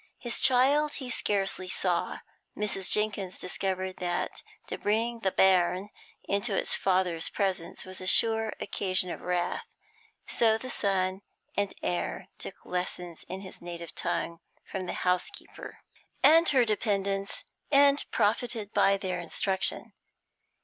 His child he scarcely saw; Mrs. Jenkins discovered that to bring the 'bairn' into its father's presence was a sure occasion of wrath, so the son and heir took lessons in his native tongue from the housekeeper and her dependents, and profited by their instruction.